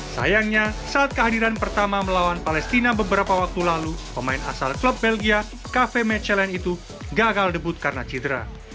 sayangnya saat kehadiran pertama melawan palestina beberapa waktu lalu pemain asal klub belgia kafe mechellen itu gagal debut karena cedera